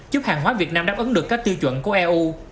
giúp hàng hóa việt nam đáp ứng được các tiêu chuẩn của eu